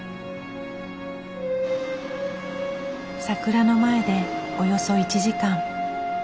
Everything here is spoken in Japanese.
桜の前でおよそ１時間。